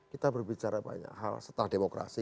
kita berbicara banyak hal setelah demokrasi